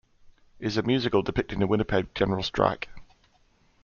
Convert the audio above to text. is a musical depicting the Winnipeg General Strike.